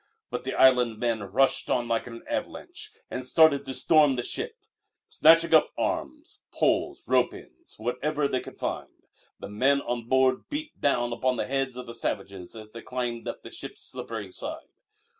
But the island men rushed on like an avalanche and started to storm the ship. Snatching up arms, poles, rope ends whatever they could find the men on board beat down upon the heads of the savages as they climbed up the ship's slippery side.